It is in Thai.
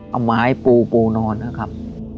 เอาไม้ปูปูนอนนะครับ